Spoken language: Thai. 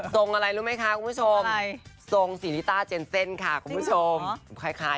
ทรงอะไรรู้ไหมค่ะคุณผู้ชมทรงสีลิตาเจนเซ่นค่ะคุณผู้ชมสริงเหรอ